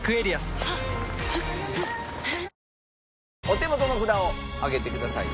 お手元の札を上げてください。